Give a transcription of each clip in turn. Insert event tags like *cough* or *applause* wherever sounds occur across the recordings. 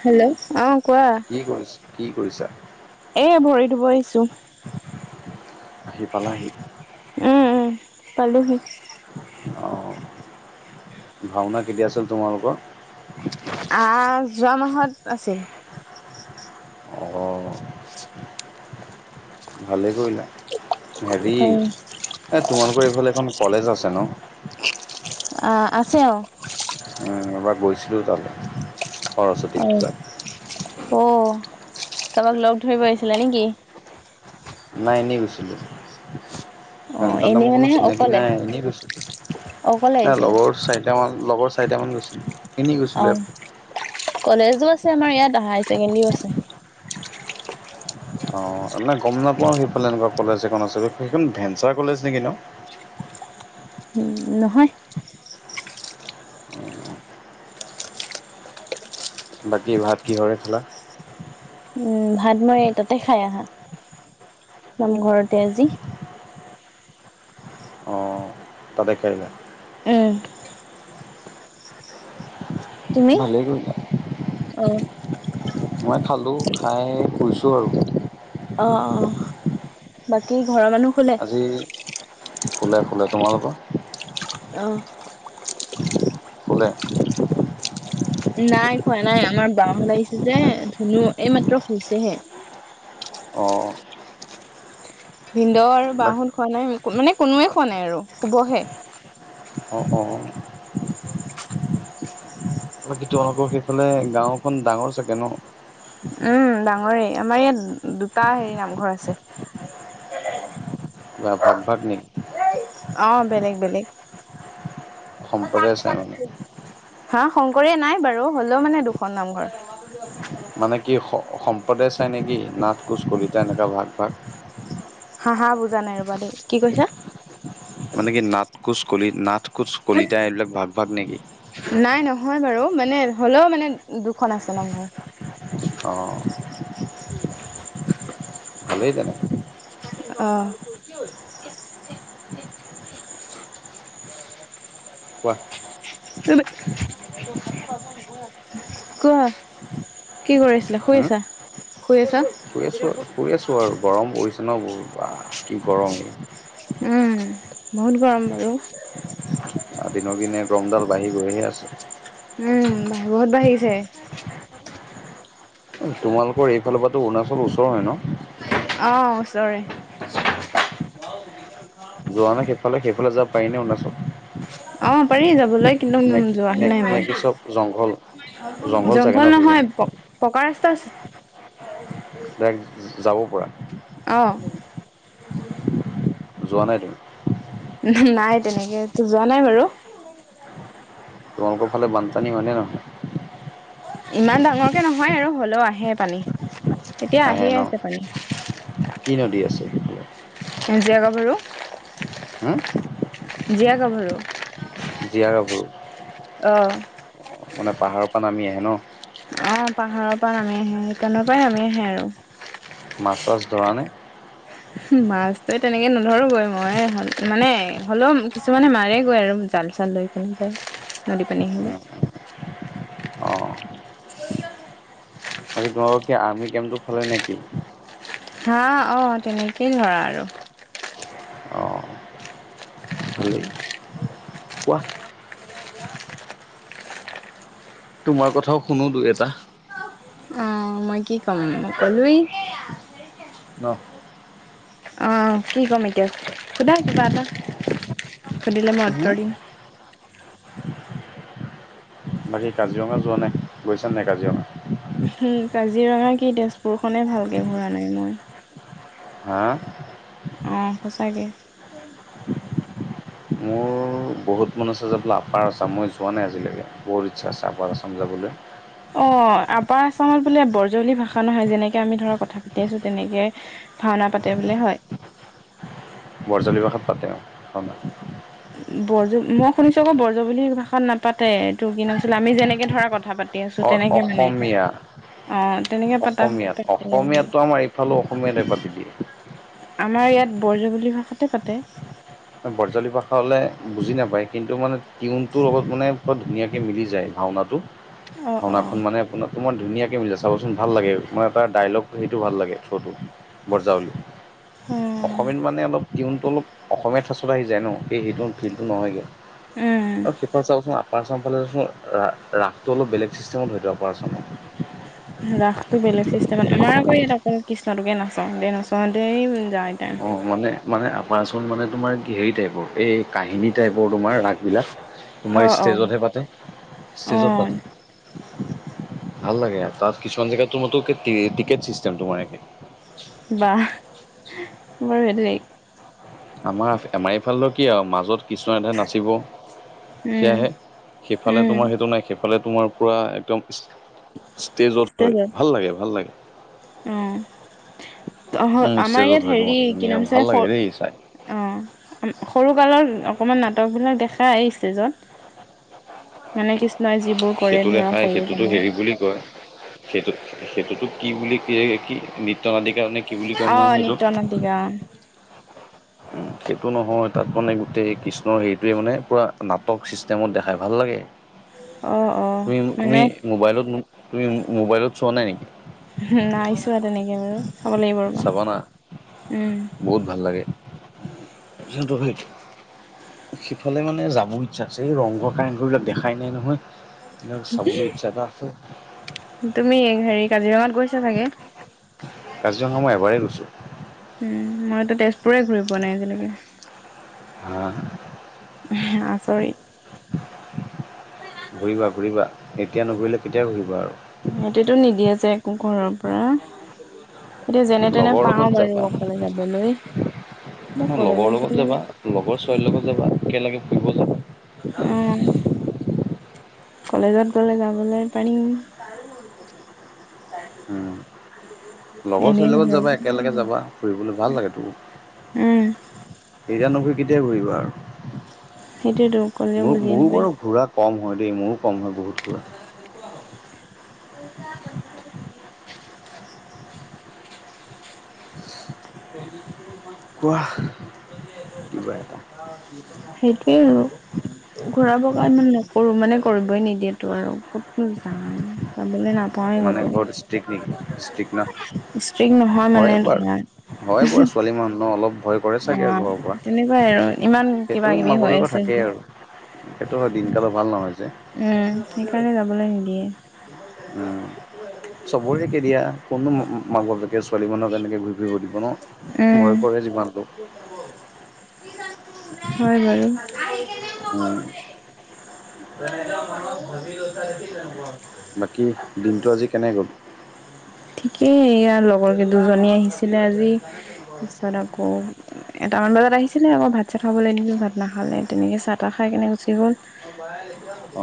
Hello অ কোৱা। কি কৰিছ কি কৰিছা? এ ভৰি ধুব আহিছো। আহি পালাহি? উম উম পালোহি। অঁ ভাওনা কেতিয়া আছিল তোমালোকৰ? আ যোৱা মাহত আছিল। অঁ ভালে কৰিলা হেৰি অ এ তোমালোকৰ এইফালে এখন কলেজ আছে ন? আছে অ। ম এবাৰ গৈছিলোঁ তালৈ সৰস্বতী পূজাত। অ' কাৰোবাক লগ ধৰিব আহিছিলে নেকি? নাই এনেই গৈছিলোঁ। অ তাতে এনেই মোৰ মানে কোনো চিনাকি অকলে নাই এনেই গৈছ অকলে ন আহিছিলো লগৰ চাৰিটা মান লগৰ চাৰিটামান গৈছিলো এনেই অ গৈছিলো। কলেজো আছে আমাৰ ইয়াত হায়াৰ ছেকেণ্ডাৰীও আছে। অ নে গম নাপাওঁ সেইফালে এনেকুৱা কলেজ এখন আছে সেইখন ভেঞ্চাৰ কলেজ নেকি ন? উম নহয়। বাকী ভাত কিহৰে খালা? ভাত মই তাতে খাই আহা নাম ঘৰতে আজি। অঁ তাতে খাই আহিলা। এ। তুমি? ভালেই কৰিলা অ মই খালোঁ খাই শুইছোঁ আৰু। অ অ বাকী ঘৰৰ মানুহ? শুলে আজি শুলে শুলে, তোমালোকৰ? অ। শুলে। নাই শুৱা নাই আমাৰ বা হত আহিছে যে ধুনু এই মাত্ৰ শুইছেহে। *unintelligible* ভিন্দ আৰু বাক বাহত শুৱা নাই মানে কোনোৱে শুৱা নাই আৰু শুবহে। অঁ অঁ তোলোকৰ সেইফালে গাঁওখন ডাঙৰ চাগে ন? উম ডাঙৰে আমাৰ ইয়াত দুটা হেৰি নামঘৰ আছে। বা ভাগ ভাগ নি? অ বেলেগ বেলেগ। সম্প্ৰদায় চাই মানে হা শংকৰে নাই বাৰু হ'লেও মানে দুখন নামঘৰ। মানে কি সম্প্ৰদায় চাই নেকি নাথ কোচ কলিতা এনেকুৱা ভাগ ভাগ হা হা বুজা নাই ৰ'বা দেই কি কৈছা মানে কি নাট কোচ কলি নাট কোচ কলিতা এইবিলাক ভাগ ভাগ নেকি নাই নহয় বাৰু মানে হ'লেও মানে দুখন আছে নামঘৰ অঁ *unintelligible* ভালেই তেনে অ কোৱা কোৱা কি কৰি আছিলা শুই হম? আছা শুই আছা শুই আছো শুই আছো আৰু গৰম পৰিছে ন বহুত কি গৰম উম বহুত গৰম বাৰু দিনক দিনে গৰমডাল বাঢ়ি গৈয়ে আছে উম বহুত বাঢ়িছে। তোমালোকৰ এইফালৰ পৰাটো অৰুণাচল ওচৰ হয় ন। অঁ ওচৰে। যোৱা নাই সেইফালে সেইফালে যাব পাৰিনে অৰুণাচল। অ পাৰি যাবলৈ কিন্তু নে কি নে যোৱাহে নায় নে মই। কি চব জংঘল চাগে ন জংঘল সেইখিনি? নহয় পকা ৰাস্তা আছে। ডাইৰেক্ট যাব পৰা অঁ। যোৱা নায় তুমি? নায় তেনেকেটো যোৱা নায় বাৰু। তোমালোকৰ ফালে বানপানী হয়নে নহয়? ইমান ডাঙৰকে নহয় আৰু হলেও আহে পানী। এতিয়া আহে আহিয়ে ন? আছে পানী। কি নদী আছে সেইফালে? জীয়া গাভৰু হুম? জীয়া গাভৰু। জীয়া গাভৰু অ', মানে পাহাৰৰ পৰা নামি আহে ন। আঁ পাহাৰৰ পৰা নামি আহে সেইকাৰণৰ পৰাই নামি আহে আৰু। মাছ চাছ ধৰা নে? মাছ যে তেনেকে নধৰোগৈ মই মানে হলেও কিছুমানে মাৰে গৈ আৰু যা- জাল চাল লৈ কেনে যায় নদী পানী আহিলে। *unintelligible* অ' বাকী তোমালোকৰ কি আৰ্মি কেমটো ফালে নে কি? হা অ তেনেকেই ধৰা আৰু। অ' ভালেই। কোৱা তোমাৰ কথাও শুনো দুই এটা। অঁ মই কি ক'ম‌ ক'লোই। ন। অ কি ক'ম এতিয়া সোধা কিবা এটা। শুধিলে মই উতৰ দিম। বাকী কাজিৰঙা যোৱা নাই গৈছা নাই কাজিৰঙা? হুম কাজিৰঙা কি তেজপুৰ খনে ভালকে ঘূৰা নাই মই। হাঁ। অঁ সঁচাকে। মোৰ বহুত মন আছে যাবলে আপাৰ আচাম মই যোৱা নাই আজিলৈকে। বহুত ইচ্ছা আছে আপাৰ আছাম যাবলৈ। অঁ আপাৰ আসামত বোলে বৰজলি ভাষা নহয় যেনেকে আমি ধৰক কথা পাতি আছো তেনেকে ভাওনা- পাতে বোলে হয়। বৰজলী ভাষাত পাতে অঁ। বৰজ মই শুনিছো আকৌ বৰজাৱলী ভাষাত নাপাতে। এইটো কি নাম আছিলে আমি যেনেকে ধৰা কথা পা- পাতি আছো অ তেনেকে মানে। অসমীয়া অঁ তেনেকে পতা অসমীয়াত পাতে বুলি। অসমীয়াটো আমাৰ এইফালে অসমীয়াতে পাতি দিয়ে আমাৰ ইয়াত বৰজৱলি ভাষাতে পাতে। বৰজাৱলী ভাষা হ'লে বুজি নাপায় কিন্তু মানে টিউনটোৰ লগত মানে ধুনীয়াকৈ মিলি যায়। ভাওনাটো অ' অ' ভাওনাখন মানে আপোনাৰ- ইমান ধুনীয়াকৈ মিলে চাবচোন ভাল লাগে। মানে তাৰ ডায়লগ সেইটো ভাল লাগে শ্ব'টো বৰজাৱলী। অ'। অসমীয়াত মানে অলপ টিউনটো অলপ অসমীয়াটো চলে আহি যায় ন। এই সেইটো ফিল্টো নহয়গে। উম আৰু সেতৰ চাবাচোন- আপাৰ আসাম ফালে ৰাসটো অলপ বেলেগ চিষ্টেমত হয়তো আপাৰ আসাম। ৰাসটো বেলেগ চিষ্টেমত আমাৰ আকৌ ইয়াত অকল কৃষ্ণটোকে নচাওঁতে নচাওঁতে যায় টাইম। অঁ মানে মানে আপাৰ আসামত মানে তোমাৰ কি হেৰি টাইপৰ এই কাহিনীত- টাইপৰ তোমাৰ ৰাসবিলাক। অ তোমাৰ অ ষ্টেজতহে পাতে অ ষ্টেজত পাতে। ভাল লাগে আৰু তাত কিছুমান জেগাটো তোৰ টিকেট চিষ্টেম তোমাৰে। বা বাৰু সেইটোৱে। আমাৰ আমাৰ এইফালেতো কি আও মাজত কৃষ্ণ এধে নাচিব উম সেয়াহে। সেইফালে উম তোমাৰ সেইটো নাই সেইফ *unintelligible* সফালে তোমাৰ পূৰা একদম ষ্টেজত হয় ভাল লাগে ভাল লাগে। *unintelligible* অ। উম আমাৰ ষ্টেজত ইয়াত হয় হেৰি তোমাৰ কি ধুনীয়া নাম চ ভাল অ লাগে দেই চাই। সৰু কালৰ অকমান নাটক বিলাক দেখা ষ্টেজত, মানে কি নাই যিবোৰ কৰে সেইটো ধৰা সৰু জানো। সেইটোত সেইটোতো কি বুলি ক কি নীত্যাদিকৰ নে কি বুলি কয় অ নহয় সেইটোক? নৃত্য নাটিকা *unintelligible* সেইটো নহয় তাত মানে গোটেই কৃষ্ণৰ হেৰিটোৱে মানে পুৰা নাট টৰ্ক চিষ্টেমত দেখাই ভাল লাগে। অ অ অ তুমি তুমি মানে মোবাইলত *unintelligible* তুমি মোবাইলত চোৱা নাই নেকি? নাই ছোৱা তেনেকে বাৰু। চাব লাগিব ৰ'বা চাবা না উম বহুত ভাল লাগে। সিফালে মানে যাব ইচ্ছা আছে এই ৰংঘৰ কাৰেংঘৰ বিলাক দেখাই নাই নহয়। চাবলৈ ইচ্ছা এটা আছে। তুমি হেৰি কাজিৰঙাত গৈছে চাগে? কাজিৰঙা মই এবাৰেই গৈছোঁ। উম মইতো তেজপুৰে ঘূৰি পোৱা নাই আজিলেকে। হা আচৰিত। ঘূৰিবা ঘূৰিবা, এতিয়া নুঘূৰিলে কেতিয়া ঘূৰিবা আৰু? জেকু ঘৰৰ পৰা, এতিয়া যেনে তেনে লগৰ পাওঁ লগত বাৰু যাবা অকলে যাবলৈ। *unintelligible* এতিয়া লগৰ কলেজত লগত গ'লে যাবা লগৰ ছোৱালীৰ লগত যাবা একেলগে ফুৰিব যাবা। উম *unintelligible* *inaudible* কলেজত গলে যাবলে পাৰিম। উম, *unintelligible* *unintelligible* *inaudible* লগৰ এনেই ছোৱালীৰ লগত ঘৰৰ যাবা পৰা একেলগে যাবা, ফুৰিবলৈ ভাল লাগে তোৰ। উম এতিয়া নঘুৰি কেতিয়া ঘূৰিবা আৰু? সেইটোয়েতো ক'লেও ম বুজিয়ে মোৰো নাপায় বাৰু ঘোৰা কম হয় দেই মোৰো কম হয় বহুত ঘূৰা। পইচা বন্ধ কৰি ভ *unintelligible* কোৱা কিবা এটা *inaudible* সেইটোৱে আৰু, ঘুৰা পকা ইমান নকৰো মানে কৰিবই নিদিয়েতো আৰু। কত *unintelligible* *unintelligible* কামলে *unintelligible* নাপাওৱে মানে কতো ঘৰত ষ্ট্ৰিক নেকি ন ষ্ট্ৰিক নহয় হয় মানে বাৰু। ধৰা হয় বাৰু ছোৱালী মানুহ ন অলপ ভয় কৰে অ চাগে আৰু ঘৰৰ পৰা তেনেকুৱাই আৰু ইমান সেইটো কিবা কিবি মাক হৈ বাপেকৰ আছে থাকেই যে। আৰু। সেইটো হয় *unintelligible* দিনকালো ভাল নহয় যে উম কাইলৈ যাবলৈ নিদিয়ে। উম। চবৰে কেতিয়া কোনো মাক বাপে ছোৱালী মানহৰ কাৰণকে ঘূৰি ফৰিব উম *inaudible* *unintelligible* হয় বাৰু *unintelligible* তেনেকুৱা উম, মনত ভাবি লৈছা দেখি তেনেকুৱা হৈছে। বাকী দিনটো আজি কেনে গ'ল? ঠিকেই ইয়া লগৰকে দুজনী আহিছিলে। তাৰপিছত আকৌ এটামান বজাত আহিছিলে আকৌ ভাত চা খাবলে দিলোঁ ভাত নাখালে এনেকে চাহ তাহ খাই কেনে গুচি গ'ল।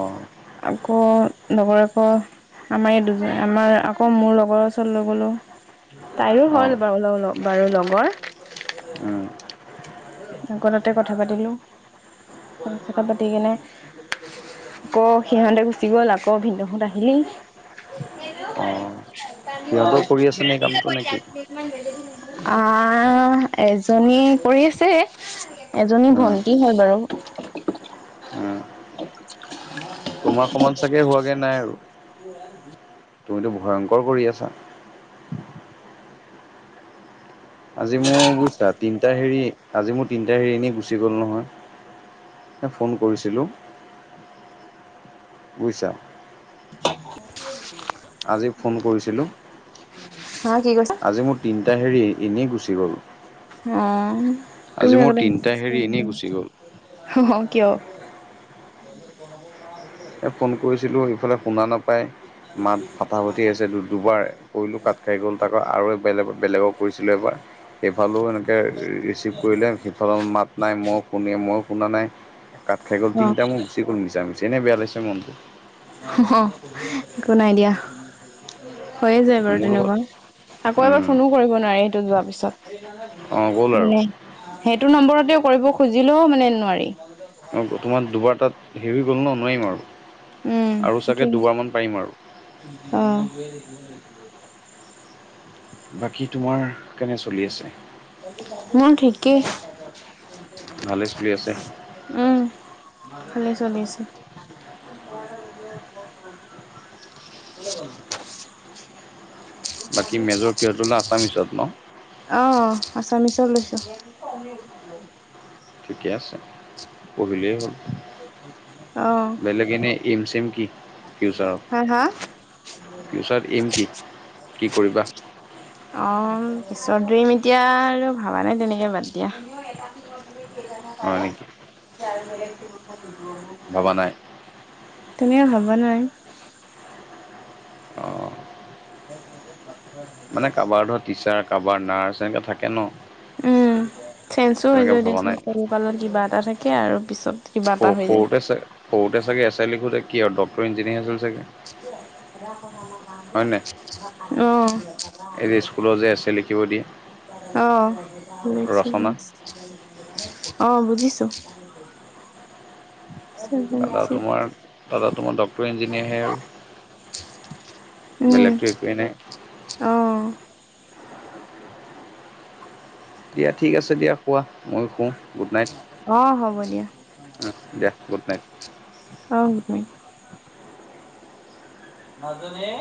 অ', আকৌ *unintelligible* আমাৰ এই দুজন, আমাৰ আকৌ মোৰ লগৰ ওচৰ লৈ গ'লো তাইৰো হ'ল অ', বাৰু ল বাৰু লগৰ, উম। আকৌ তাতে কথা পাতিলোঁ। কথা পাতি কিনে আক সিহঁতে গুচি গল আকৌ ভিনদহত আহিলেই অঁ সিহঁতেও কৰি আছে নে এই কামটো নেকি? *unintelligible* আ এজনী কৰি আছে। এজনী উম ভন্টি হয় বাৰু উম তোমাৰ সমান চাগে হোৱাগে নাই আৰু তুমিতো ভয়ংকৰ কৰি আছা। আজি মোৰ বুইছা তিনটা হেৰি আজি মোৰ তিনটা হেৰি এনেই গুচি গ'ল নহয় ফোন কৰিছিলোঁ। বুইচা। *unintelligible* আজি ফোন কৰিছিলো হা কি কৈছা আজি মোৰ তিনিটা হেৰি এনেই গুচি গ'ল। অ আজি তুমি মোৰ আগতে তিনিটা হেৰি এনেই গুচি গ'ল। কিয় এ ফোন কৰিছিলো ইফালে শুনা নাপায় মাত ফটা ফুটি আছে দুবাৰ কৰিলো কাট খাই গ'ল তাকৌ আৰু বেলেগ বেলেগক কৰিছিলো এবাৰ সেইফালেও এনেকৈ ৰিচিভ কৰিলে সেইফালৰ মাত নাই মই শুনি মই শুনা নাই কাত খাই গ'ল তিনিটা মোৰ গুচি গ'ল মিছা মিছি এনে বেয়া লৈছে মনটো। একো নাই দিয়া হৈয়ে যায় বাৰু মোৰ লগত তেনেকুৱা আকৌ এবাৰ উম ফোনো কৰিব নোৱাৰে সেইটো যোৱাৰ অঁ গ'ল পিছত মানে- সেইটো নম্বৰতেও কৰিব খুজিলেও মানে নোৱাৰি। বৰ্তমান দুবাৰ টাত হেৰি গ'ল ন নোৱাৰিম আৰু উম আৰু চাগে সেইটোৱেই দুবাৰমান পাৰিম আৰু অ বাকী তোমাৰ কেনে চলি আছে। মোৰ ঠিকেই ভালেই চলি আছে ভালেই চলি আছে বাকী মেজৰ কিহত ললা আছামিছত ন অ আছামিচত লৈছো ঠিকে আছে পঢ়িলেই হ'ল। অ', বেলেগ এনে ইম চম কি ফিউচাৰত হা ফিউচাৰত এইম কি কি কৰিবা *unintelligible* অ পিছত ধৰিম এতিয়া আৰু ভবা নাই তেনেকৈ বাদ দিয়া। সেই হয় নেকি এতিয়া আৰু বেলেগ ভবা স- নাই তুমিও ভবা নাই। অ *unintelligible* মানে কাৰোবাৰ ধৰ টিচাৰ কাবা নাৰ্চ এনে *unintelligible* উম চেঞ্জো হৈ তেনেকে যায় ভবা দিয়াচোন নাই সৰুকালৰ কিবা এটা থাকে আৰু পিছত *unintelligible* সৰু হৈ যায়। সৰুতে চ সৰুতে চাগে এছ এ লিখোঁতে কি আৰু ডক্টৰ ইঞ্জিনিয়াৰ আছিল চাগে *unintelligible* অ হয় নাই *unintelligible* এই যে স্কুলত যে এছ এ লিখিব দিয়ে *unintelligible* ৰচনা *unintelligible* *inaudible* অ বুজিছো ছেভেন তাত আৰু তোমাৰ ছিক্স তাত আৰু তোমাৰ ডক্তৰ ইঞ্জিনিয়াৰহে *inaudible* বেলেগটো একোৱেই নাই অ অ দিয়া ঠিক আছে দিয়া শুৱা মইয়ো শু গুড নাইট অ', *unintelligible* হ'ব দিয়া। উ দিয়া গুড নাইট অ ন *unintelligible* মাজনী